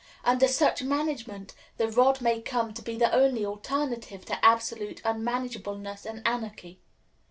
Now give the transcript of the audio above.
Under such management, the rod may come to be the only alternative to absolute unmanageableness and anarchy.